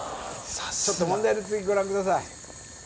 ちょっと問題の続きご覧ください